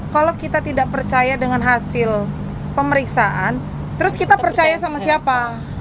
kalau kita tidak percaya dengan hasil pemeriksaan terus kita percaya sama siapa